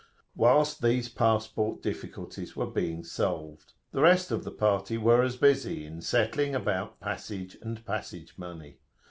Whilst these passport difficulties were being solved, the rest of the party was as busy in settling about passage and passage money.